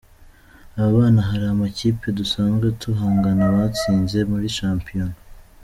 Aba bana hari amakipe dusanzwe duhangana batsinze muri shampiyona.